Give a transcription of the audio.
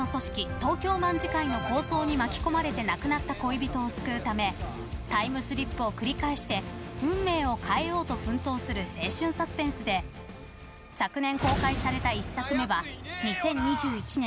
東京卍曾の抗争に巻き込まれて亡くなった恋人を救うためタイムスリップを繰り返して運命を変えようと奮闘する青春サスペンスで昨年公開した１作目は２０２１年